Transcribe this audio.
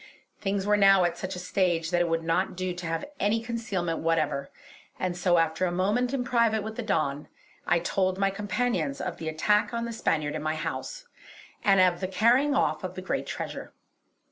Things were now at such a stage that it would not do to have any concealment whatever; and so after a moment in private with the Don, I told my companions of the attack on the Spaniard in my house, and of the carrying off the great treasure.